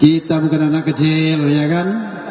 kita bukan anak kecil ya kan